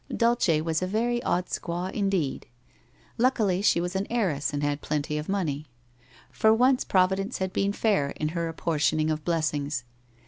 Dulce was a very odd squaw, indeed. Luckily she was an heiress and had plenty of money. For once Providence had been fair in her apportioning of blessings.